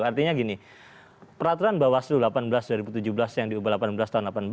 artinya gini peraturan bawaslu delapan belas dua ribu tujuh belas yang diubah delapan belas tahun delapan belas